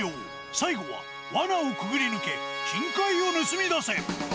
最後は、わなをくぐり抜け、金塊を盗み出せ。